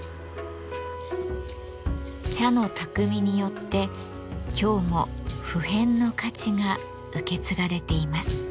茶の匠によって今日も不変の価値が受け継がれています。